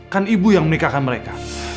kan ibu yang menikahkan mereka